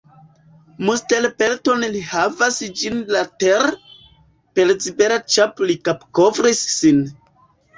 Mustelpelton li havas ĝis la ter', Per zibela ĉap' li kapkovris sin.